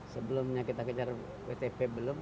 sebelumnya kita kejar wtp belum